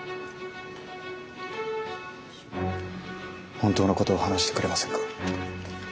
本当のことを話してくれませんか？